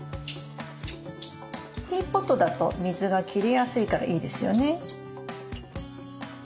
ティーポットだと水が切れやすいからいいですよね。